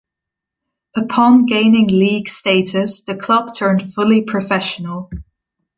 Upon gaining League status, the club turned fully professional.